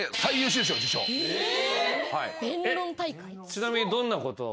ちなみにどんなことを？